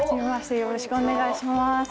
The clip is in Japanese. よろしくお願いします。